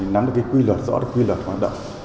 nắm được cái quy luật rõ được quy luật hoạt động